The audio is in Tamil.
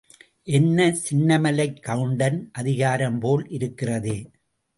என்ன, சின்னமலைக் கவுண்டன் அதிகாரம் போல் இருக்கிறதே!